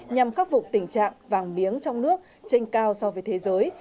nhằm khắc phục tình trạng vàng miếng trong nước trên cao so với thế giới